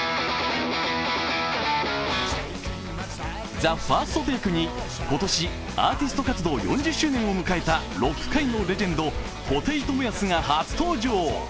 ＴＨＥＦＩＲＳＴＴＡＫＥに今年、アーティスト活動４０周年を迎えたロック界のレジェンド、布袋寅泰が初登場。